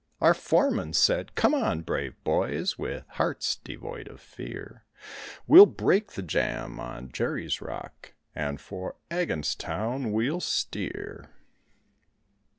Our foreman said, "Come on, brave boys, with hearts devoid of fear, We'll break the jam on Gerry's Rock and for Agonstown we'll steer."